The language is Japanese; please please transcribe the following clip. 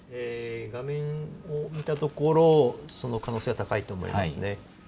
画面を見たところ、その可能性は高いと思います